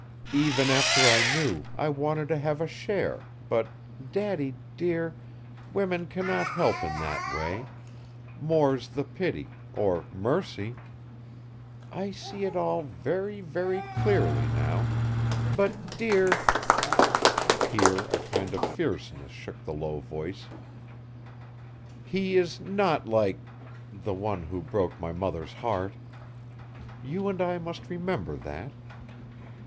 Even after I knew, I wanted to have a share, but, Daddy, dear, women cannot help in that way, more's the pity or mercy! I see it all very, very clearly now; but, dear," here a kind of fierceness shook the low voice, "he is not like the one who broke my mother's heart! You and I must remember that.